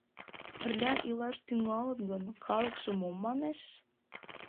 Пырля илаш тӱҥалыт гын, калыкше мом манеш?